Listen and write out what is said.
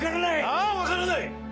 ああ分からない！